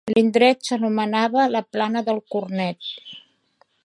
L'indret s'anomenava la plana del cornet.